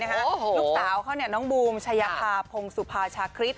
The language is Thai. ลูกสาวเขาเนี่ยน้องบูมชายภาพพงศุภาชคริสต์